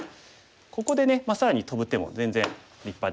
ここでね更にトブ手も全然立派ですね。